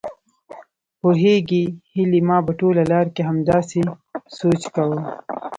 پوهېږې هيلې ما په ټوله لار کې همداسې سوچ کاوه.